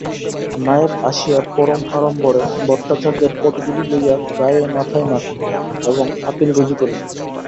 নায়েব আসিয়া পরম আড়ম্বরে ভট্টাচার্যের পদধূলি লইয়া গায়ে মাথায় মাখিল এবং আপিল রুজু করিল।